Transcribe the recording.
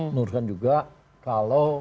menurut saya juga kalau